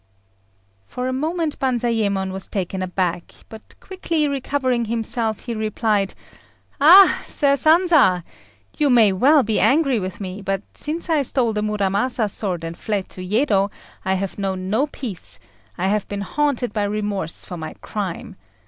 For a moment Banzayémon was taken aback, but quickly recovering himself, he replied, "Ah! Sir Sanza, you may well be angry with me; but since I stole the Muramasa sword and fled to Yedo I have known no peace: I have been haunted by remorse for my crime.